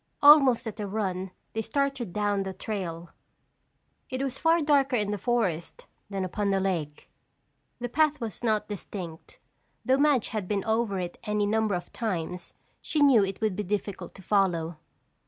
Almost at a run they started down the trail. It was far darker in the forest than upon the lake. The path was not distinct. Though Madge had been over it any number of times, she knew it would be difficult to follow.